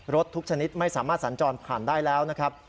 ทุกชนิดไม่สามารถสัญจรผ่านได้แล้วนะครับ